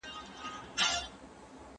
مسلمان باید له ذمي سره په نېکۍ چلند وکړي.